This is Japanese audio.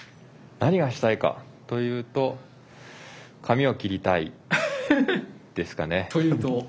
何がしたいかというと髪を切りたいですかね。